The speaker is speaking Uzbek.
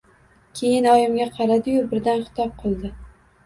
Keyin oyimga qaradi-yu, birdan xitob qildi.